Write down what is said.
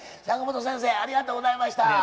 坂本先生ありがとうございました。